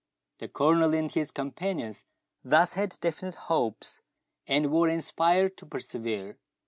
The Colonel and his companions thus had definite hopes, and were inspirited to persevere.